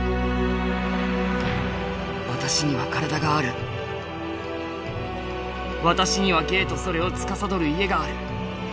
「私には身体がある私には芸とそれを司る家がある」。